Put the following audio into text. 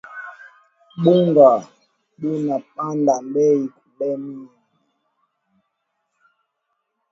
Bunga buna panda beyi kalemie